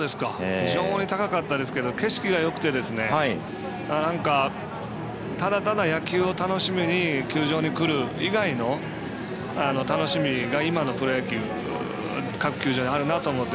非常に高かったですけど景色がよくてですねなんか、ただただ野球を楽しみに球場に来る以外の楽しみが今のプロ野球各球場にあるなと思って。